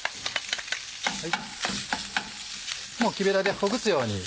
木べらでほぐすように。